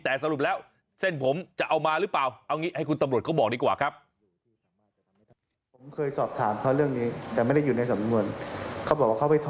แต่สรุปแล้วเส้นผมจะเอามาหรือเปล่าเอางี้ให้คุณตำรวจเขาบอกดีกว่าครับ